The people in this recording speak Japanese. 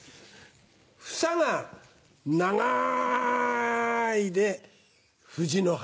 「房」が長いでフジの花。